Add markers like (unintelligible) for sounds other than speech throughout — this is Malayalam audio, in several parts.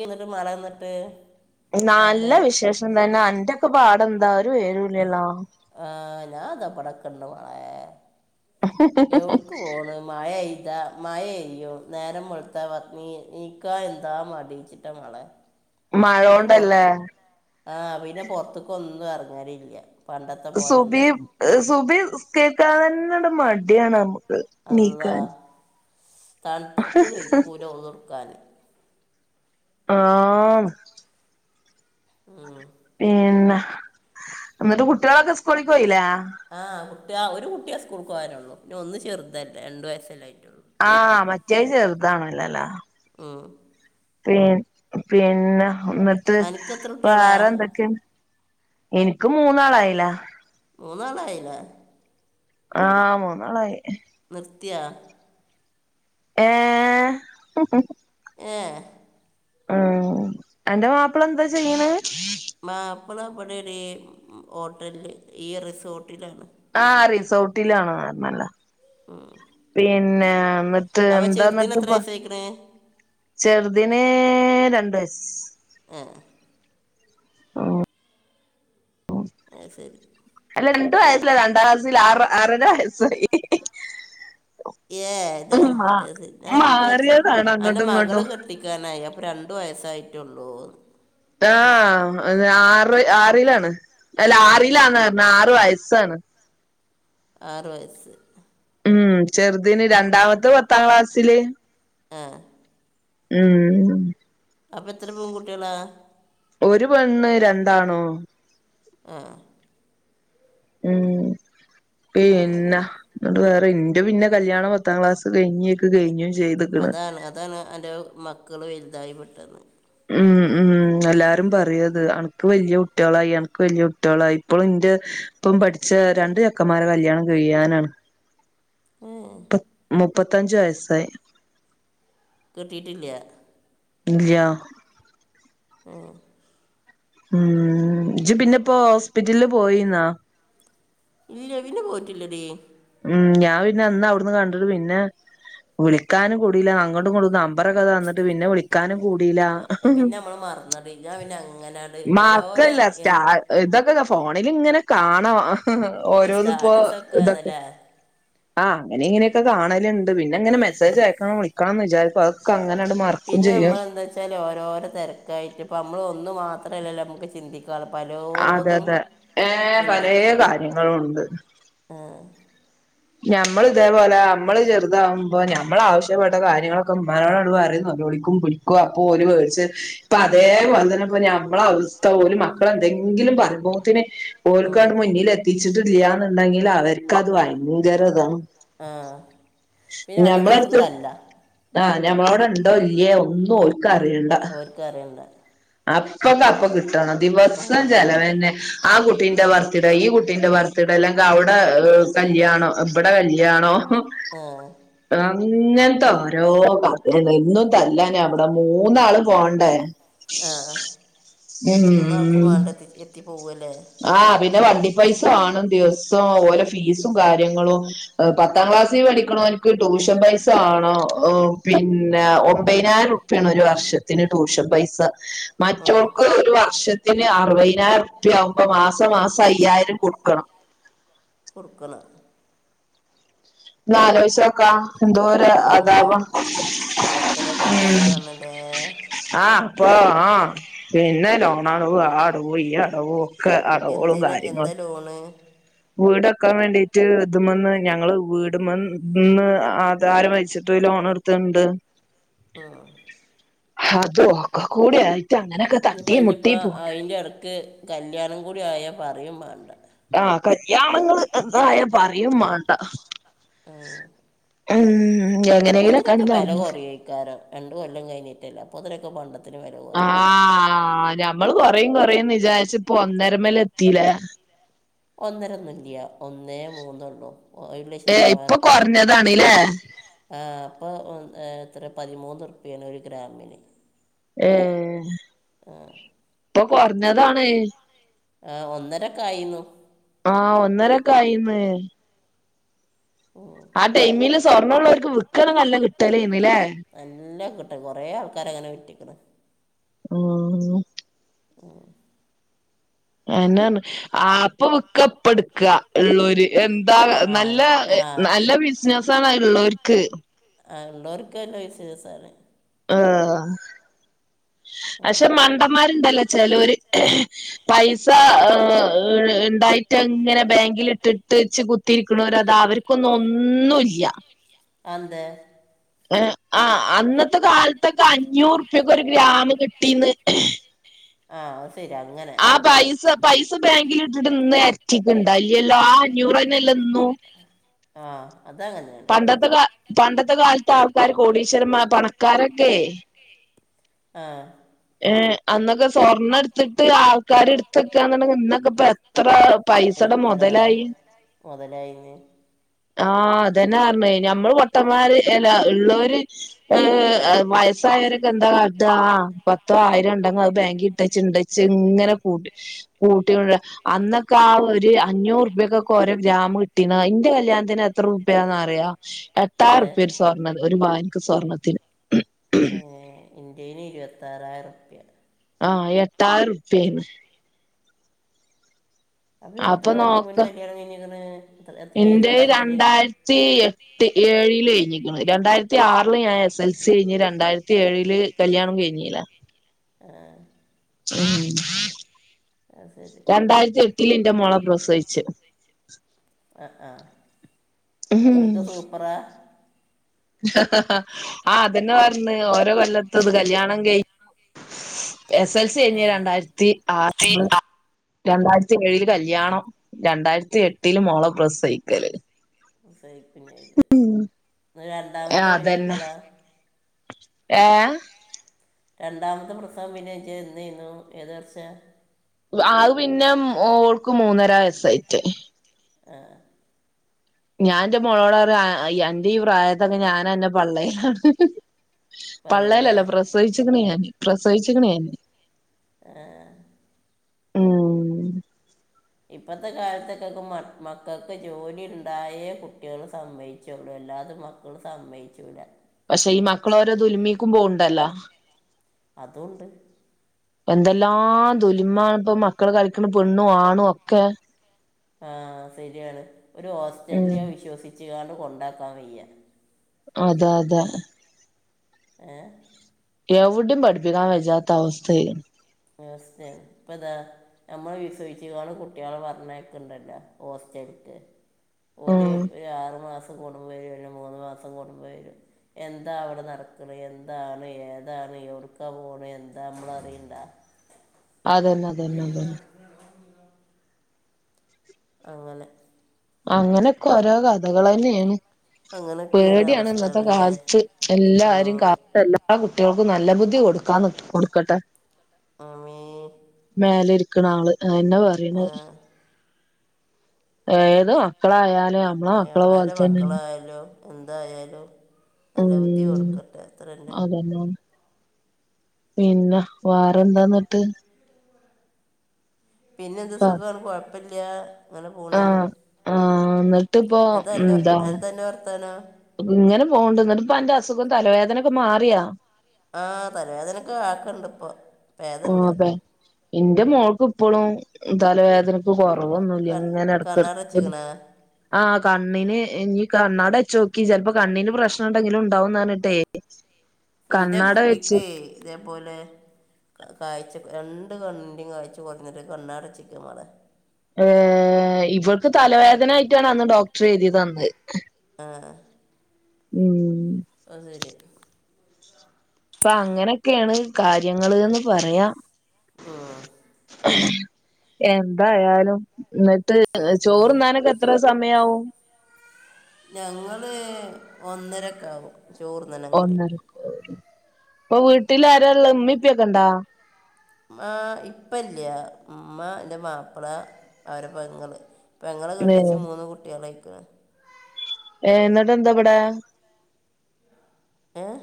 ന്നിട്ട് മഴ നിന്നിട്ട് നല്ല പാട് (unintelligible) അന്റെക്കെ പാടന്താ ഒരു വിവരും ഇല്ലല്ലോ ആഹ് ഞാൻതാ ഇപടക്കണ്ട് മാ ളേ എവി പോണ് മഴ പെയ്താ മഴയ്യും നേരം വള്ത്താ (unintelligible) നീക്കാ എന്താ മടി ഇട്ട മളെ പിന്നെ പൊർ മഴോണ്ടല്ലേ ആഹ് പിന്നെ പെറ്ത്ത്ക്ക ഒന്നും എറങ്ങലില്ല സുബി സുബി നിസ്കരിക്കാനന്നെ മടിയാണ് നമുക്ക് നീക്കാൻ തണ്ത്ത്ട്ട് വൈക്കൂല ഒളു എട്ക്കാൻ ആഹ് മ്മ് പിന്നെ ന്നിട്ട് കുട്ട്യാളൊക്കെ സ്കൂളില് പോയിലെ ആഹ് കുട്ടി ഒരു കുട്ടിയെ സ്കൂൾ പോകാനുള്ളൂ ഒന്നും ചെറുതല്ലേ രണ്ടു വയസല്ലേ ആയിട്ടുള്ളൂ ആഹ് മറ്റേ ചെറുതാണല്ല ല്ലാ മ് പി പിന്നെ ന്നിട്ട് അനക്ക് എത്ര കുട്ടികളാ വേറെ എന്തൊക്കെ ഇൻക്ക് മൂന്നാളായി ലെ മൂന്നാളായിലെ ആഹ് മൂന്നാളായി നിർത്തിയാ? ഏഹ് ഏഹ് ആഹ് അന്റെ മാപ്പ്ള എന്താ ചെയ്യ്ണ മാപ്പളാ ഇബട ടി ഹോട്ടല് ഈ റിസോർട്ടിലാണ് ആഹ് റിസോർട്ടിലാണോ കൊയപ്പല ഊം പിന്നെ, ന്നിട്ട്, എന്താ, ചെറുതിന് ന്നിട്ട് എത്ര ഇപ്പ. വയസ്സായിക്കണേ ചെറുതിന് രണ്ട് വയസ് ഏഹ് ആഹ് അഹ് ശരി അല്ല രണ്ടുവയസ്സല്ല രണ്ടാം ക്ലാസ്സിലാ ആറ് ആറര വയസ്സായി ഏഹ് താ മാ അത് സെ ഞാനും വിചാരിച്ച് മാറിയതാണ് അന്റെ അങ്ങോട്ടും മകളെ ഇങ്ങോട്ടും കെട്ടിക്കാനായി രണ്ട് വയസ്സായിട്ടൊള്ളൂന്ന് ആഹ് ആറ് ആറിലാണ് അല്ല ആറിലാന്ന് പറഞ്ഞ ആറ് വയസ്സാണ് ആറ് വയസ്സ് ഉം ചെറുതിന് രണ്ടാമത്തെ പത്താം ക്ലാസ്സില് ആഹ് ഊം അപ്പൊ ത്ര പെൺ കുട്ടി ളാ.. ഒരു പെണ്ണ് രണ്ടാണോ ആഹ് ഉം അങ്ങനെ പിന്നെ ന്നിട്ട് വേറെ ഇന്റെ പിന്നെ കല്യാണം പത്താം ക്ലാസ് കഴിഞേക്ക് കഴിഞ്ഞും ചെയ്ത്ക്ക്‌ണ് അതാണ് അതാണ് അന്റെ മക്കള് വലുതായി പെട്ടെന്ന് ഉം, ഉം, എല്ലാരും പറയത്. അൻക്ക് വല്യ കുട്ട്യാളായി, അൻക് വല്യ കുട്യളായി ഇപ്പോളും ഇന്റെ ഒപ്പം പഠിച്ച രണ്ട് ചെക്കന്മാരെ കല്യാണം കഴ്യാനാണ് ഏഹ് പ്പം മുപ്പത്തഞ്ച് വയസ്സായി കിട്ടിയിട്ടില്ല്യ ഇല്ല്യഹ്. ആഹ് ഊം ഇജ്ജ് പിന്നെപ്പോ ഹോസ്പിറ്റലില് പോയീന്നോ ഇല്ലെയ് പിന്നെ പോയിട്ടില്ലെടീ ഉം, ഞാൻ പിന്നെ അന്ന് അവുട്ന്ന് കണ്ടിട്ട്, പിന്നെ വിളിക്കാനും കൂടില അങ്ങട്ടും ഇങ്ങട്ടും നമ്പറൊക്കെ തന്നിട്ട് പിന്നെ വിളിക്കാനും കൂടീല്ല ഇപ്പ മറന്ന പെയ്യാ പിന്നെ അങ്ങനാണ് മാർക്കല്ല സ്റ്റാ ഇതൊക്കെ ഫോണില് ഇങ്ങനെ കാണും ഓരോന്ന് പ്പോ സ്റ്റാറ്റസ് ഒക്കെ ഇതൊക്ക. ആണല്ലേ ആഹ് അങ്ങനെ ഇങ്ങനൊക്കെ കാണലുണ്ട് പിന്നെങ്ങെനെ മെസ്സേജ് അയക്കണം വിളിക്കണന്ന് വിചാരിക്കും അതൊക്കെ അങ്ങനട് മറ പിന്നെ നമ്മളെന്താ ച്ചാൽ ഓരോരോ തെരക്കായിട്ട്, പ്പ നമ്മൾ ഒന്നു മാത്ര ല്ലല്ലോ നമുക്ക് ചിന്തിക്ക്. അതെ അതെ ഏഹ് പലെ കാര്യങ്ങളുണ്ട് ആഹ് ഷെ, അമ്മള് ഇതേപോലെ അമ്മള് ചെറുതാവുമ്പോ, ഞമ്മള് ആവശ്യപ്പെട്ട കാര്യങ്ങളൊക്കെ, മ്മാനോട് ആണ്ട് പറിം. നെലോളിക്കും പിടിക്കും. ക്കും അപ്പൊ ഓല് മേട്ച്ച് ഇപ്പൊ അതേപോലെ തന്നെപ്പോ നമ്മളെ അവസ്ഥ ഓല് മക്കള് എന്തെങ്കിലും പറയുമ്പോ ത്തിന് ഉം, ഓൽക്കണ്ട് മുന്നില് എത്തിച്ചിട്ടില്ല്യന്നുണ്ടെങ്കില് അവർക്കത് വയ് (unintelligible) ആ പിന്നെ അന്നത്തെ നമ്മളെ ദിവസം അടുത്ത് തല്ല ന്താ, ഞമ്മളോ ടെ ണ്ടോ ഇല് യേ ഒന്നും ഓൽക്ക റിയേണ്ട... ക്കറിണ്ടെ? അപ്പക്കപ്പ കിട്ടണം ദിവസം ഉം. ചെലവന്നെ ആ കുട്ടീന്റെ ബർത്ത്ഡേ ഈ കുട്ടീന്റെ ബർ ത്തിടല്ലെങ്ക അവിടെ കല്യാണോ ഇബടെ കല്ല്യാണോ അങ്ങൻത്തെ ഓരോ (unintelligible) ഇന്നും തല്ലാല വിടെ മൂന്നാള് പോണ്ടേ. ആഹ്, ആഹ്, മൂന്നാൾക്കും ഉം മാണ്ട ത്തി എത്തി പോവ ല്ലേ? ആഹ് പിന്നെ വണ്ടി പൈസ വാണം ദിവസ്സം ഓലെ ഫീസും കാര്യങ്ങളും എ് പത്താം ക്ലാസ്സിൽ പഠിക്കണോൻക്ക് ട്യൂഷൻ പൈസ ആണോ എ് പിന്നെ ഒമ്പയിനായിരം ഉർ റുപ്യ ആണ് ഒരു വർഷത്തിന് ട്യൂഷൻ പൈസ ഉം മറ്റോർക്ക് ഒരു വർഷത്തിന് അറുവയ്നായിരം റുപ്യ ആവുമ്പോ മാസം മാസം അയ്യായിരം കൊടുക്കണം കൊടുക്കുല്ലാ ന്ന് ആലോയ് ച്ചോക്കാ എന്തോര ആ അതവാം എത്ര പൈസ ഉം ആണല്ലേ ആഹ് അപ്പൊ ആഹ് പിന്നെ ലോണടവും ആ അടവും ഈ അടവോ ക്കെ അടവോളും കാര്യങ്ങളും ടോണ് വീടെക്കാൻ വേണ്ടീട്ട് ഇത്‌മ്ന്ന് ഞങ്ങള് വീട്മിന്ന് ആധാരം വെച്ചിട്ട് ലോൺ എടു ത്ണ്ട് പാഹ്.. ഹതു ഒക്കെ കൂടി ആയിട്ട് അങ്ങനെക്കെ ഞിപ്പോ ഇനിപ്പോ അതിൻ്റെ എടയ്ക്ക് കല്യാണം കൂടി ആയ പറയും വേണ്ട ആഹ് കല്യാണങ്ങള് എന്തായ പറയും വേണ്ട ഉം ഉം എങ്ങനെങ്കിലൊക്കെയാണ് അപ്പോത്തിനൊക്കെ വെല നടന്ന് കൊറയുക്കാര രണ്ടും കൊല്ലം കഴിഞ്ഞിട്ടല്ലേ അപ്പോത്തിനൊക്കെ പണ്ടത്തിന് വെല കൊറയക്കാന് ആഹ് ഞമ്മള് കൊറയും കൊറയും ന്നിചാരിച്ച് പ്പൊന്നരമ്മലെത്തി ലേ ഒന്നര ഒന്നൂല്ല്യ ഒന്നേ മൂന്ന് ഉള്ളൂ ഏ ഇപ്പൊ കൊറഞ്ഞതാണ്ല്ലേ ആഹ് പ്പോ ഉം എ എത്രേ പതിമൂന്നുർപ്യേണ് ഒരു ഗ്രാമിന് ഏഹ് ആഹ് ഇപ്പൊ കൊറഞ്ഞതാണ് ആ ഒന്നരൊക്കെ ആയിന്നു ആഹ് ഒന്നരൊക്കെ ആയിന്ന് ആ ടൈമില് സ്വർണ്ണ ഉള്ളോർക്ക് വിൽക്കണ് നല്ല കിട്ടലേന്ല്ലേ നല്ലോം കിട്ടും കൊറേ ആൾക്കാരങ്ങനെ വിറ്റിക്ക്ണ് ആഹ്ഉം.. ഉം അയന്നെറഞ്ഞ് ആപ് ഇപ്പ വിക്ക ഇപ്പ ഇട്ക്ക ഇള്ളോര് എന്താ ആ നല്ല അത് എ് ആ നല്ല ബിസ് നസാണ് ഇള്ളോർക്ക് ആ ഇള്ളോർക്ക് നല്ല ബിസിനസാണ് ആഹ് പക്ഷേ അങ്ങനെ മണ്ടന്മാരുണ്ടല്ലോ ചെലോര്. പൈസ അ് അ് ഇണ്ടായിട്ടങ്ങനെ ബാങ്കില് ഇട്ട്ട്ട്ച്ച് കുത്തിരിക്കണോരതാ അവര്ക്കൊന്നും ഒന്നുല്യാ അതന്തെ എ് ആ അന്നത്തെ കാലത്തൊക്കെ അഞ്ഞൂറുപ്യക്കൊരു ഗ്രാമ് കിട്ടീന്ന് ആഹ് അഅ്സെര്യങ്ങനെ ആ പൈസ പൈസ ബാങ്കിൽ ഇട്ടിട്ട് ഇന്ന് എരട്ടിക്കുണ്ടോ ഇല്ലല്ലോ ആ അഞ്ഞൂറെന്നെല്ലെ ഇന്നും ആഹ് അതങ്ങനേണ് പണ്ടത്തെ കാ പണ്ടത്തെ കാലത്ത് ആൾക്കാര് കോടീശ്വരൻമാ പണക്കാരൊക്കെയ് ആഹ് ഏ് അന്നൊക്കെ സ്വർണം ഇടുത്തിട്ട് ആൾക്കാര് ഇടു ത്തെക്കാന്നുണ്ടെങ്കി ഇന്നൊക്കെപ്പെത്രെ പൈസടെ മൊതലായി മൊതലായിന് ആഹ് അതന്നെറഞ്ഞത് ഞമ്മള് പൊട്ടന്മാര് എല്ല ഇള്ളോര് ഏഹ് അ വയസ്സായോരൊക്കെ എന്താ കാട്ട ആ പ ത്തോ ആയിരം ഇണ്ടെങ്കെ അത് ബാങ്കി ഇട്ടേച്ച് ഇണ്ടച്ച് ഇങ്ങനെ കൂട്ടി കൂട്ടി കൊണ്ടരാ അന്നൊക്കെ ആ ഒരു അഞ്ഞൂറ്പ്യക്കൊക്കെ ഓരോ ഗ്രാം കിട്ടീന്ന് അയിന്റെ കല്യാണത്തിന് എത്ര പ്യാന്ന് അറിയോ? എത്ര എട്ടായിരം റുപ്പിയ ഒരു പവൻ സ്വർണത്തിന് ഇന്റന് ഇരുപത്താറായിരം ുപ്യ ആ എട്ടായിരം റുപ്യ ന് അപ്പൊ എത്ര കൊല്ലം മുന്നേ കല്യാണം കഴിഞ്ഞന് ഏത് വർഷത്തില് തീ (unintelligible) തി ഏഴില് കഴിഞ്ഞിക്ണ് രണ്ടായിരത്തി ആറിൽ ഞാൻ എസ് എൽ സി കഴിഞ്ഞഞ് രണ്ടായിരത്തി ഏഴില് കല്യാണം കഴിഞ്ഞിലേ ആഹ് ഉ അത് ശരി രണ്ടായിരത്തി എട്ടില് എന്റെ മുോള പ്രസഹിച്ചു ആഹ ആഹ അത്രക്ക് സൂപ്പറാ ആ അതന്നെ പറന്ന ഓരോ കൊല്ലത്തത് കല്യാണം കഴ് എസ് എൽ സി കഴിഞ്ഞ ആഹ് രണ്ടായിരത്തി ആറ് രണ്ടായിരത്തി ഏഴില് കല്യാണം രണ്ടായിരത്തി എട്ടില് മോള പ്രസവിക്കൽ സഹിക്കഞ്ഞ ഇത് രണ്ടാമത്തെ പിന്നെ എപ്പളാ ഏഹ രണ്ടാമത്തെ പ്രസവം പിന്ന എുന്നു ഏത് വർഷാ അത് പിന്നെ ഓൾക്ക് മൂന്നര വയസ്സായിട്ടേ ആഹ് ഞാൻ എന്റെ മോളോടപറയും അന്റെ ഈ പ്രായത്തക്കെ ഞാനന്നെ പള്ളയിലാണ് പള്ളല പറയൂലേ ല്ലപ്രസവിച്ചിക്കണ ഞൻ പ്രസവിച്ചിക്കണ് ഞൻ ആഹ് ഉം ഇപ്പഴത്തെ കാലത്തൊക്കൊക്കെ മ മക്കൾക്ക് ജോലിണ്ടായേ കുട്ട്യേൽ സമ്മയിച്ചെള്ളു അല്ലാത്ത മാ മക്കള് സമ്മയിച്ചൂ ല്ല പക്ഷെ ഈ മക്കളഓരോ ദൽമിക്കും പോണ്ടല്ലോ അതുണ്ട് എന്തെല്ലാം ദുല്മ ഇപ്പ മക്കള് കളിക്ക്ണ പെണ്ണും ആണും ഒക്കെ ആഹ് ശരിയാണ് ഒരു ഉം ഹോസ്റ്റല് വിശ്വസിച്ചുകാണ്ട് കൊണ്ടാക്കാൻ വയ്യ അതെ അതെ ഏ എവ്ടിം പഠിപ്പിക്കാൻ വജത്ത അവസ്ഥയിന് (unintelligible) ഇപ്പതാ നമ്മള് വിശ്വയിചാണ്ട് കുട്ട്യേലെ പറഞ്ഞക്കണ്ടല്ലോ ഹോസ്റ്റലക്ക് ഓര് ഉം ഒരു ആറു മാസം കൂടുമ്പം വരും അല്ല മൂന്ന് മാസം കൂടുമ്പോ വരും എന്താ അവിടെ നടക്കണ എന്താണ് ഏതാണ് എവ്ട്ക പോകണ എന്താ നമ്മള അറിയിണ്ട അതന്നെ അതന്നെ അതന്നെ (unintelligible) അങ്ങനെ അങ്ങനെയൊക്കെ ഓരോ കഥകൾ തന്നെയാണ് അങ്ങനെയൊക്കെയാണ് പേടിയാണ് ഇന്നത്തെ അവസ്ഥകളിലെ കാലത്ത് എല്ലാരും കാലത്തല്ല ആ കുട്ടികൾക്ക് നല്ല ബുദ്ധി കൊടുക്കാന്ന് കൊടുക്കട്ടെ ആമീൻ മലെ ഇരിക്ക ആള് എന്നാ പറയണ ഏത് മക്കളായാലും നമ്മളെ ഞ്ഞി മക്കളെ ആര പോലെ തന്നെയാണ് മക്കളായാലും എന്തായാലും നല്ല ബുദ്ധി കൊടുക്കട്ടെ അത്രന്നെ ലോ പിന്നെ വേറെ എന്താന്നിട്ട്? പിന്നെ എന്ത് സുഖം കുഴപ്പില്ല അങ്ങനെ പോണ് ആഹ് ആഹ് എന്നിട്ടിപ്പോ എന്താ എന്റെ എന്താന്റെ വർത്തനം ഇങ്ങനെ പൊണ്ട്ന്ന്ട്ട്പോ അന്റെ അസുഖം തലവേദനൊക്കെ മാറിയാ ആ തലവേദനൊക്കെ ആാക്കണ്ട് ഇപ്പൊ ആഹ് അപ്പേ ഇന്റെ മോൾക്ക് ഇപ്പളും തലവേദന പ്പൊ കൊറവൊന്നുമല്ല ഇങ്ങനെ ഇടക്ക് ഇടക്ക് കണ്ണടച്ചിക്കണേ ആഹ് കണ്ണിന് ഇനി കണ്ണാടച്ച് നോക്കി ചിലപ്പോ കണ്ണിന് പ്രശ്നം ഉണ്ടെങ്കിലും ഉണ്ടാവന്നാണ്ട്ടേ ഇൻ്റെ കുട്ടിക്ക് ഇതെപോലെ കായ്ച്ച രണ്ട് കണ്ണിന്റെറെയും കായ്ച്ച കുറഞ്ഞിട്ടുണ്ട് കണ്ണട ചിക്ക മളെ ഏഹ് ഇവർക്ക് തലവേദന ആയിട്ടാണ് അന്ന് ഡോക്ടർ എഴുതിയ തന്നത് ആഹ് ഉം ഉം അതുശരി അപ്പൊ അങ്ങനെയൊക്കെയാണ് കാര്യങ്ങള് എന്ന് പറയാം ആഹ് എന്തായാലും എന്നിട്ട് അങ്ങനെ ചോറ്ന്നാനൊക്കെ എത്ര സമയവും ഞങ്ങള് ഒന്നരക്കെ ആകും ചോറ് ഒന്നരക്ക് ഇപ്പൊ വീട്ടില ആരള്ള ഉമ്മിപ്പൊക്കെ ഉണ്ടാ ആഹ് ഇപ്പല്ല ഉമ്മ അ മാപ്പിള അവരുടെ പെങ്ങള് പെങ്ങളെ കെട്ടിച്ച് ഏഹ് മൂന്ന് കുട്ടികളായിക്കുന്നത് ഏഹ് എന്നിട്ട് എന്താ ഇവിടെ ഏഹ്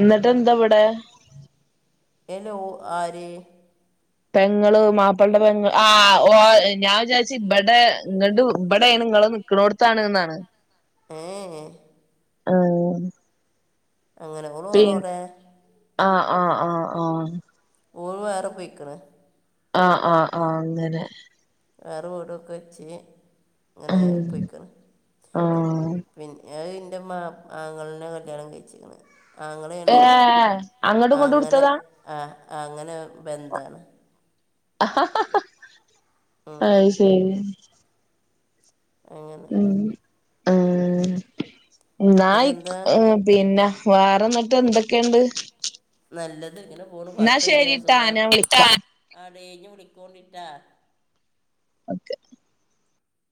എന്നിട്ട് എന്താ ഇവിടെ ഹലോ ആര് പെങ്ങള് മാപ്പളന്റെ പെങ്ങൾ ആ ഓ ഏ ഞാൻ വിചാരി ഇവിടെ ഇങ്ങ ഇവിടെ ആഹ് നിങ്ങളെ നിക്കണോടുത്താണ് എന്നാണ് ആഹ് ആഹ് അങ്ങനെ പിൻ ഒള്ളുള്ളോട്ടെ ആഹ് ആഹ് ആഹ് ആഹ് ഓള് വേറെ പോയിക്ക് ണ് ആഹ് ആഹ് ആഹ് അങ്ങനെ വേറെ വീടൊക്കെ വെച്ച് അങ്ങനെ ഉം പൊയിക്കണ് ആഹ് പിന്നെ ഇന്റെ മാ ത്തങ്ങെളനെ കല്യാണം കഴിച്ചിക്കണ് ഏ ആങ്ങളെയാണ് അങ്ങോട്ടും ഇങ്ങോട്ടും അങ്ങനെ എടുത്തതാ ആ അങ്ങനെ ബന്ന്താണ് അത്ശരി അങ്ങനെ ഉം എന്നിട്ട് നായിക് എന്താ പിന്നെ വേറെ എന്നിട്ട് എന്തൊക്കെയുണ്ട് നല്ലത് ഇങ്ങനെ ഫൂണ് എന്നാ കൊഴപ്പില്ല ശരിട്ടാ സുഖ ഞാൻ വിളിക്കാം ആടീത്ത് വിളിക്കോണ്ടിട്ടാ ഓക്കെ